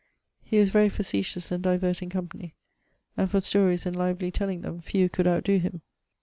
He was very facetious and diverting company; and for stories and lively telling them, few could out doe him.